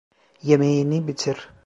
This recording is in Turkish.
Yemeğini bitir.